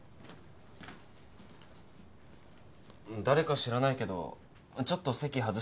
誰か知らないけどちょっと席外してもらえる。